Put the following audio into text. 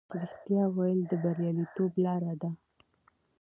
رښتیا ویل د بریالیتوب لاره ده.